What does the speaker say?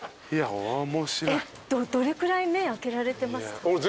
どれくらい目開けられてました？